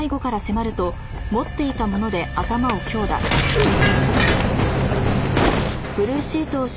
うっ！